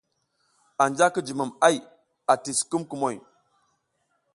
Anja ki jumom ay ati sukumuŋ kumoy.